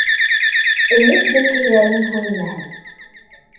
Өмөт гөлкәйҙәрең һүнмәһен.